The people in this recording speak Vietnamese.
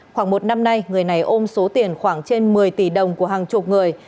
khoảng một năm nay người này ôm số tiền khoảng trên một mươi tỷ đồng của hàng chục người